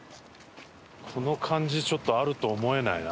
この感じちょっとあると思えないな。